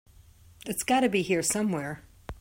It's got to be somewhere.